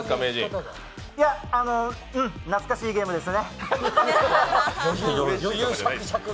懐かしいゲームですね。